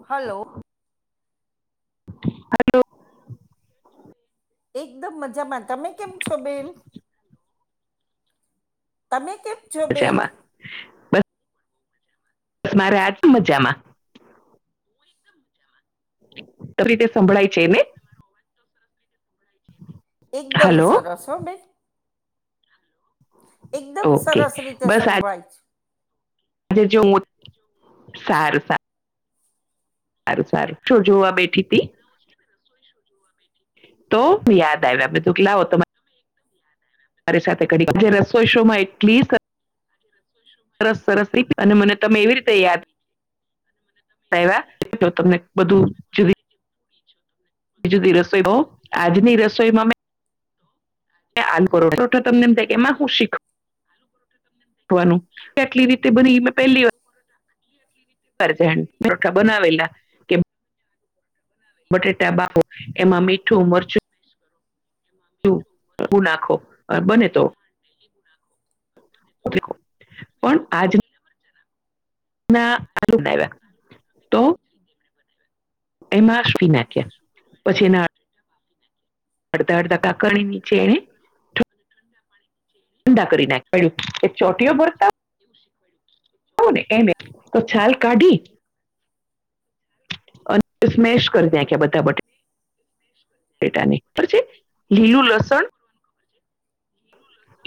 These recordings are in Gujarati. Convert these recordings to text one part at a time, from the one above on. હલો. હલો. એકદમ મજામાં, તમે કેમ છો બેન તમે કેમ છો બેન. મજામાં બસ મારે આજ મજામાં. ત રીતે સંભળાય છેને એકદમ હલો સરસ હો બેં એકદમ ઓકે સરસ રીતે બસ સંભળાય છે. આજે જો હું સારું, સારું સારું, સારું શું જોવા બેઠી થી. છે ને રસોઈ શું જોવા મેઠીથી તો યાદ આવે આપેધ કે લો ત મારી સાથે કરીડી જે રસોઈ શો માં એટલી સરસ, સરસ રીતે અને મને, તમે એવી રીતે યાદ તો, તમને બધું જુદી બી જુદી રસોઈ બ આજની રસોઈમાં મેં તો આજની આલુ પરોઠા રસોઈમાં પરોઠા મેં તમને એમ આલુ થાય કે પરોઠા એમાં શીખ્યા આલુ પરોઠા તમને કેટલી રીતે બની મેં પહેલી વાર ી કરજ પરોઠા બનાવેલા કે બટેટા બાવો એમાં મીઠું મરચું ભદુ નાખો બને તો પણ આજ ના આવ્યા તો એ, માસી નાખ્યા પછી એના અર્ધ, અર્ધ કાકણી નીચે એ ધંધા કરી નાખ પડ્યું કે ચોટીઓ પર એવું શીખવાય ને એમે તો છાલ કાઢી અને, સ્મેશ કરી દ્યા કેયા બધા બટા પેટાને પછી, લીલું લસણ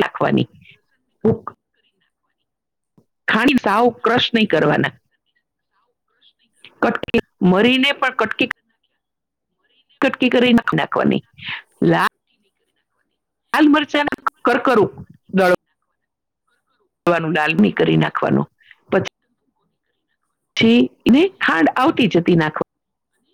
રાખવાની ખાણી સાવ ક્રશ નહી કરવાના કટકી મરીને પણ કટકી કટકી કરી નાખ નાખવાની લા ની નાખવાની લાલ મરચા એને કરકરું ડાલમી કરી નાખવાનું એકદમ દક ના ને ખાંડ આવતી જતી નાખવા અને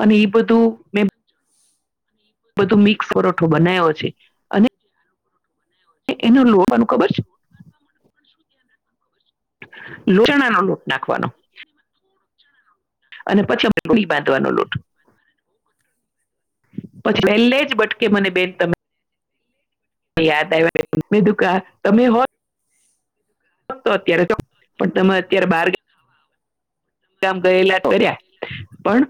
અને એ બધું મે અને બધું મિક્સ પરોઠો બનાવ્યો છે. અને જે આનો પરોઠો બનાયો હોય છે. એનું લોવાનું ખબર છે. શું ધ્યાન રાખ [unintelligible] લૂટણા ચણા નો લોટ નાખવાનો [unintelligible] અને પછી અ થી બાંધવાનો લોટ. પછી પહેલે જ બટકે મને બેન તમે યાદ આવ્યા મેં કીધું તમે હોત તો અત્યારે તો પણ તમે અત્યારે બાર ગ ગામ ગયેલા તોયા, પણ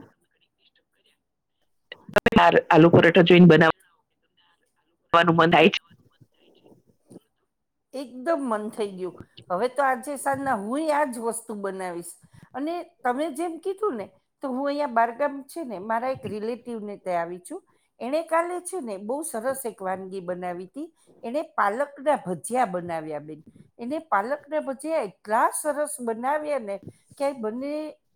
આલ આલુ પરાઠા જોઈને બનાવવાનું મંદાય એકદમ મન થઈ ગયું, હવે તો આજે સાંજના હુંઈ આજ વસ્તુ સ્તુ બનાવીશ, અને તમે જેમ કીધું ને તો હું અહંયા બારગામ છે ને, મારા એક રિલેટિવને ત્યાં આવી છું. એણે કાલે છે ને બહુ સરસ એક વાનગી બનાવી તી. એને પાલકના ભજીયા બનાવ્યા બેન. એને પાલકને ભજ એકટલા સરસ બનાવયાને ક્યાં બંને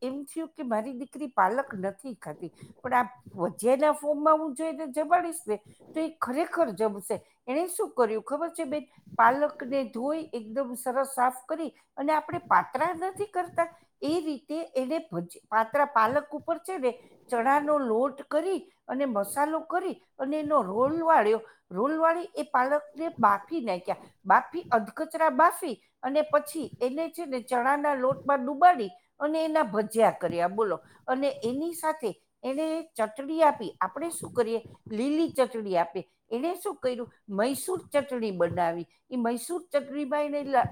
એમ થયું કે મારી દીકરી પાલક નથી ખાતી. પણ આ ભજીયાના ફોર્મમાં હું જોઈને જમાડીશને તો એ ખરેખર જમશે, એને શું કર્યું ખબર છે બેન, પાલકને ધોઈ એકદમ સરસ સાફ કરી અને આપણે પાતરા નથી કરતા એ રી તે એને ભજ પાત્રા પાલક ઉપર છે ને ચણાનો લોટ કરી, અને મસાલો કરી અને એનો રોલ વાળ્યો. રોલવાળી એ પાલકને બાફી નાખ્યા. બાફી અધકચરા બાફી, અને પછી એને છે ને ચણા ના લોટમાં ડુબાડી. અને એના ભજ્યા કર્યા બોલો, અને એની સાથે એને ચટણી આપી, આપણેે શું કરીએ લીલી ચટણી આપીઈ, એને શું કર્યું મૈસૂર ચટણી બનાવી, એ મૈસુર ચટણી બાઈ ને એટલે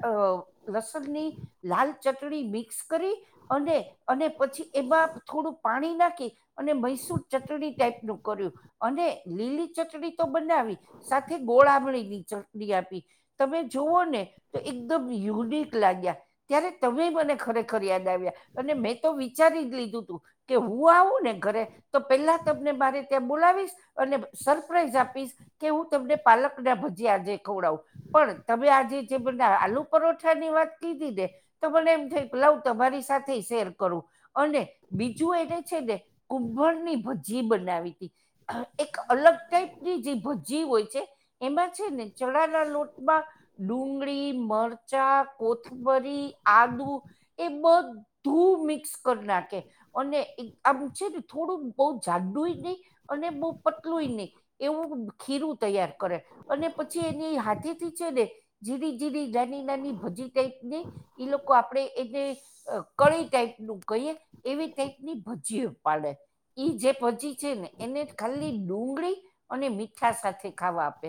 લસણની લાલ ચટણી મિક્સ કરી અને, અને પછી એમાં થોડું પાણી નાખી. અને મૈસુર ચટણી ટાઈપ નું કર્યું, અને લીલી ચટણી તો બનાવી સાથ થે ગોળ આમણી ની ચટણી આપી તમે જોઓ ને તો, એકદમ યુનિક લાગ્યા. ત્યારે તમે મને ખરેખર યાદ આવ્યા, અને મેં તો વિચારીજ લીધુંતું કે હું આવું ને ઘરે, તો પેલા તમને મારે ત્યાં બોલાવીશ અને સરપ્રાઈઝ આપીશ કે હું તમને પાલક ના ભજીયા આજે ખવડાવુ. પણ તમે આજે જે બધા આલુ પરોઠા ની વાત કીધી ને. તો મને એમ થયું કે લાવ તમારી સાથેઈ શેર કરું. અને બીજું એને છે ને કુંભરની ભજી બનાવી તી. એક અલગ ટાઈપની જે ભજી હોય. છે એમાં છે ને ચણાના લોટમાં ડુંગળી, મરચાં, કોથમરી, આદુ એ બ ધું મિક્સ કરી નાખે. અને એ આમ છે ને થોડું બહુ જાડુંય નહી અને બહુ પતલુંયે નહી. એવું ખીરું તૈયાર કરે, અને પછી એની હાથી થી છે ને. જીરી જીરી નાની નાની ભજી ટાઈપ ને એઈ લોકો આપડે એને કળી ટાઈપ નું કહીએ એવી ટાઈપની ભજી પાડે ઈ જે ભજી છે, ને એને ખાલી ડુંગળી અને મીઠા સાથે ખાવા આપે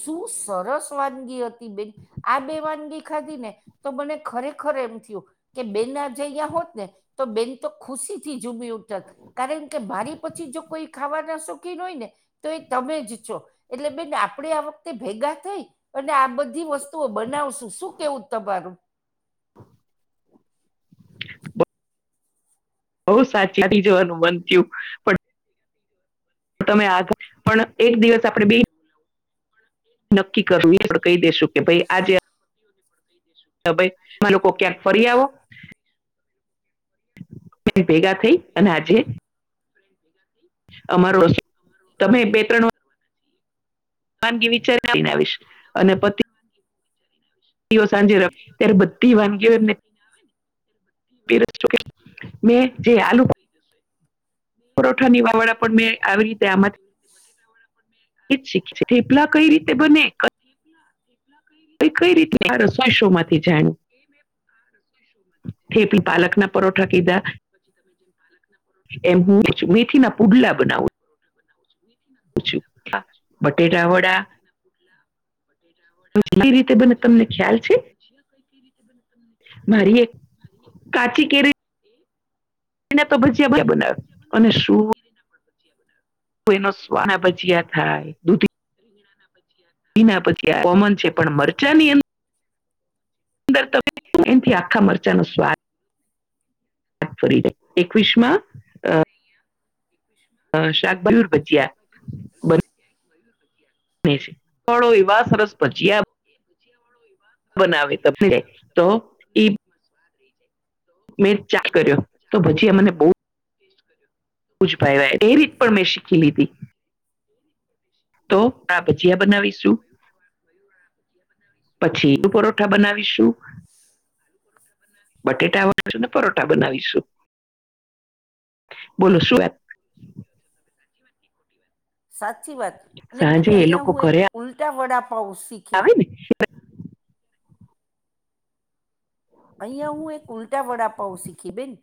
શું સરસ વાનગી હતી બેન. આ બે વાનગી ખાધી ને, તો મને ખરેખર એમ થયું. કે બેન આજયા હોતને તો બેનતો ખુશીથી ઝુમી ઉઠત કારણ કે મારી પછી જો કોઈ ખાવાના શોખીન હોયને, તો એ તમે જ છો. એટલે બેન આપડે આ વખતે ભેગા થઈ અને આ બધી વસ્તુઓ બનાવશું, શું કેવું તમારું? બહુ સાચી જવાનું મન થયું પણ તમે આજ પણ એક દિવસ આપણે બે નક્કી કરવીું એ પણ કહી દેેશું કે ભાઈ આજે પણ કઈ દેસું તો ભાઈ એમાં લોકો ક્યાંક ફરી આવો ભેગા થઈ અને આજે કે ગલી અમારો રસ્ તમે બે ત્રણ વાનગી વિચારી લઈને આવીશ અને પછ [inaudible] સાંજે ર ત્યારે બધી વાનગીઓ બ [unintelligible] [inaudible] પરોઠાની આલુ વાવડા પણ મેં પરઠાની આવી રીતે આમાંથી વાતળ જ શીખી છે થેપલા કઈ રીતે બને કઈ કઈ રીતે આ રસોઈ શો માંથી જાણ્યું [inaudible] થેપલી પાલકના પરોઠા કીધા નાઠાીધા એમ હું છું. મેથીના [unintelligible] પુડલા બનાવું છું આ [unintelligible] બટેટા વડા લે [inaudible] એ રીતે બને તમને ખ્યાલ છે. કઈ રી ખ્યા છે, મારી એક મારી કાચી ફને કેરીના તો કાી કેરી ભજીયા ના ક બનાવે પચિયા બનાવ અને શું બાકી કેરી ના પ પચ બના એનો સ્વાના ભજીયા થાય દૂધ ના [unintelligible] એના પછી આ કોમન છે, પણ મરચાં ની અંદર ત એથી આખા મરચા નો સ્વાદ ફરી દે એકવીસ માં હ [inaudible] શાકભાજી ન [unintelligible] થોડો એવા સરસ પછી એ ભુજિયાવાળો એ વા બનાવે ત તો તમને જીભમાં સ્વાદ રહી જાય મેર ચા કર્યો તો ભજીયા મને બ ટેસ્ટ કર્યો ઉુજભાઈ એ રીત પણ મેં શીખી લીધી તો આ ભજીયા બનાવીશું પછી પરોઠા બનાવીશું બટેટા વાીશું ને પરોઠા બનાવીશું બલો શું એપ સાચી વાત. સાંજે એ લોકો કર્યા. ઉલ્ટા વડા પાઉ સી આવે ને અહિયાં હું એક ઉલ્ટા વડાપઉ શીખી બેન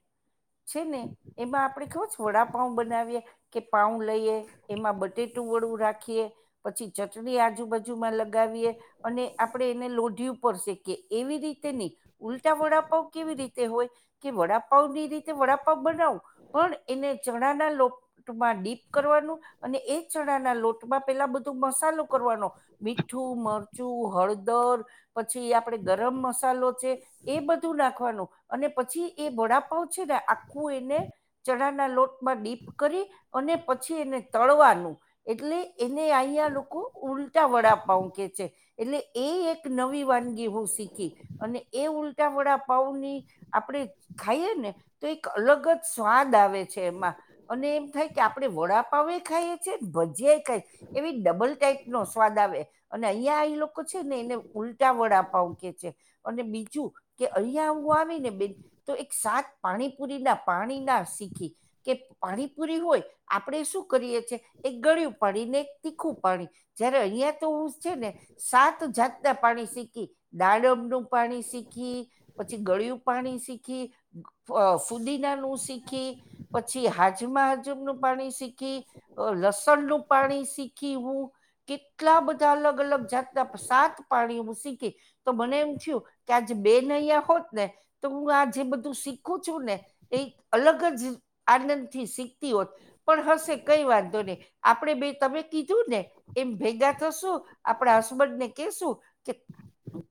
છે, ને એમાં આપડણે ખવું વડાપઉ બનાવીએ કે પાઉ લઈએ એમાં બટેટું વળું રાખીએ પછી ચટણી આજુબાજુમાં લગાવીએ અને આપણે એને લોઢયુ પડશે કે એવી રીતે ની ઉલટા વડાપાવ કેવી રીતે હોય? કે વડાપાવ ની રીતે વડાપાવ બનાવુ પણ એને ચણા ના લોટ લોટ માં ડીપ કરવાનું અને એ ચણા ના લોટમાં પેલા બધો મસાલો કરવાનો મીઠું, મરચું, હળદર પછી આપડે ગરમ મસાલો છે એ બધું નાખવાનું અને પછી એ વડાપાવ છે ને આખું એને ચણાના લોટમાં ડીપ કરી અને પછી એને તળવાનું. એટલે એને અહીંયા લોકો ઉલટા વડા પાવ કેય છે. એટલે એ એક નવી વાનગી હું શીખી અને એ ઉલટા વડા પાવ ની આપડે ખાઈએ ને તો એક અલગ જ સ્વાદ આવે છે એમાં અને એમ થાય કે આપડે વડા પાવ એ ખાઈએ છીએ ને ભજીયા એ ખાય એવી ડબલ ટાઈપ નો સ્વાદ આવે. અને અહિયાં ઈ લોકો છે ને એને ઉલટા વડા પાવ કેય છે અને બીજ બીજું કે અહીંયા હું આવી ને બેન તો એક સાત પાણીપુરી ના પાણી ના શીખી. કે પાણી પૂરી હોય. આપણે શું કરીએ છેએ એક ગળયુ પાણી ને, એક તીખું પાણી. જયારે અહિયાં તો હું છે ને સાત જાતના પાણી શીખી. દાડમનું પાણી શીખી પછી ગળયું પાણી શીખી. અ ફુદીનાનું શીખી પછી હાજમા હાજમનું પાણી શીખી. અ લસણનું પાણી શીખી હું. કેટલા બધા અલગ અલગ જાતના સાત પાણી હું શીખી તો મને એમ થીયું કે આજ બેન અયાં હોત ને તો હું આ જે બધું શીખું છું ને એ અલગ જ આનંદ થી શીખતી હોત. પણ હશે કઈ વાંધો ની આપણેે બે તમે કીધું ને એમ ભેગા થશુ, આપડા હસબન્ડ ને કેશું કે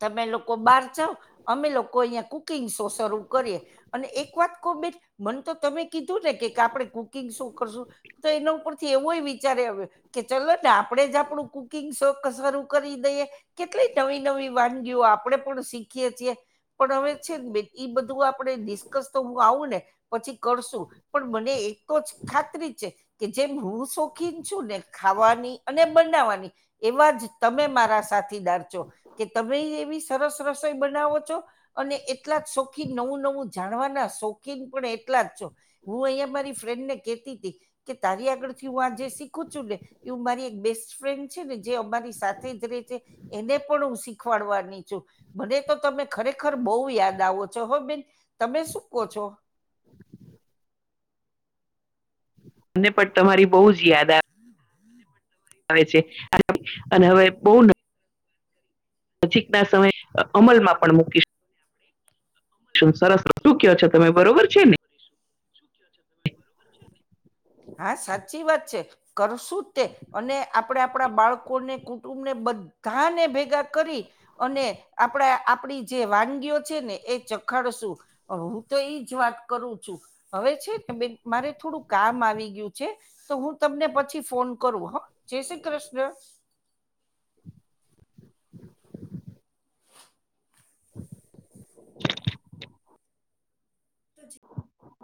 તમે લોકો બાર બાર જાવ અમે લોકો અહિયાં કુકિંગ શો શરૂ કરીએ અને એક વાત કો બેન મન તો તમે કીધું ને કે આપણે કુકિંગ સો કરશું તો એના ઉપર થી એવોય વિચાર આવયો કે ચલો ને આપણેે જ આપણું કુકિંગ શોખ શારું કરી દઈએ. કેટલી નવી નવી વાનગીઓ આપડે પણ શીખ શીખ્યે છીએ પણ હવે છે ને બેન એ બધું આપણે ડિસ્કસ તો હું આવું ને પછી કરશું પણ મને એ તો જ ખાતરી છે કે જેમ હું શોખીન છું ને ખાવાની અને બનાવવાની એવા જ તમે મારા સાથીદાર છો કે તમે એવી સરસ રસોઈ બનાવો છો. અને એટલા જ શોખીન નવું નવું જાણવાના શોખીન પણ એટલા જ છો. હું અહિયાં મારી ફ્રેન્ડ ને કેતી તી કે તારી આગળ થી હું આ જે શીખું છું ને એવું મારી એક બેસ્ટ ફ્રેન્ડ છે ને જે અમારી સાથે જ રેય છે એને પણ હું શીખવાડવાની છું. મને તો તમે ખરેખર બો યાદ આવો છો હો બેન. તમે શું કો છો? [inaudible] મને પણ તમારી બો જ યાદ આવે. [inaudible] આવે છે અને અવે બો નજીક ના સમયે અમલમાં પણ મૂકી સરસ શું કેઓ છો તમે બરોબર છે ને હા સાચી વાત છે. કરશું તે અને આપ આપડે આપડા બાળકોને, કુટુંબને બધાને ભેગા કરી અને આપડે આપડી જે વાનગીઓ છે ને એ ચખાડશું. હું તો એઈજ વાત કરું છું હવે છે ને બે મારે થોડું કામ આવી ગયું છે તો હું તમને પછી ફોન કરું હ જય શ્રી કૃષ્ણ [inaudible] [inaudible] [inaudible]